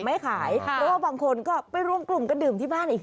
ไม่ขายเพราะว่าบางคนก็ไปรวมกลุ่มกันดื่มที่บ้านอีก